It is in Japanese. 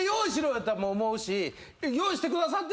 せっかく用意してくださって。